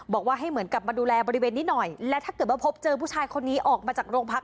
บอกว่าให้เหมือนกลับมาดูแลบริเวณนี้หน่อยและถ้าเกิดว่าพบเจอผู้ชายคนนี้ออกมาจากโรงพัก